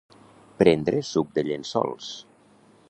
Prendre suc de llençols.